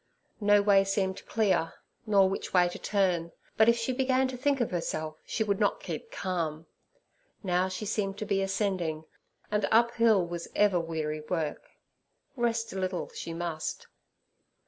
No way seemed clear, nor which way to turn. But if she began to think of herself she would not keep calm. Now she seemed to be ascending, and uphill was ever weary work; rest a little she must.